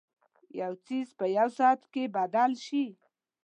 یو څیز په یوه ساعت کې بدل شي.